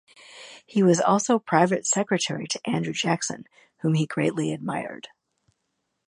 He was also private secretary to Andrew Jackson, whom he greatly admired.